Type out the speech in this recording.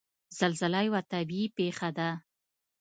زلزله یوه طبعي پېښه ده.